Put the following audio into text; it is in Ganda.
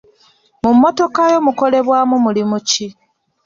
Mu mmotoka yo mukolebwamu mulimu ki?